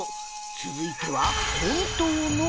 続いては